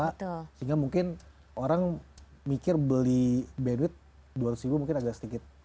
sehingga mungkin orang mikir beli bandwidt dua ratus ribu mungkin agak sedikit